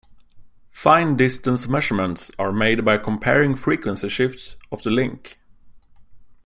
Fine distance measurements are made by comparing frequency shifts of the link.